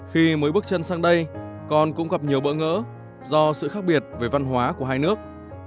khi mới bước chân sang đây con cũng gặp nhiều bỡ ngỡ do sự khác biệt về văn hóa của hai nước